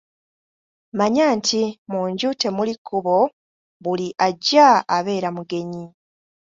Manya nti mu nju temuli kkubo buli ajja abeera mugenyi.